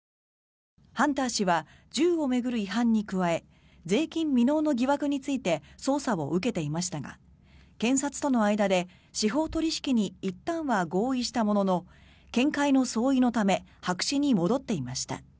ハンター氏は銃を巡る違反に加え税金未納の疑惑について捜査を受けていましたが検察との間で司法取引にいったんは合意したものの見解の相違のため白紙に戻っていました。